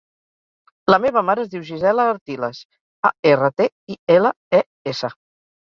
La meva mare es diu Gisela Artiles: a, erra, te, i, ela, e, essa.